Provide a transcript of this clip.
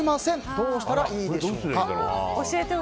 どうしたらいいでしょうか。